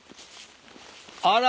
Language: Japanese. あら。